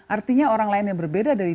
artinya orang lain yang berbeda dari